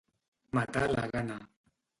Matar la gana.